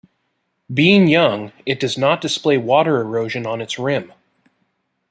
Being young, it does not display water erosion on its rim.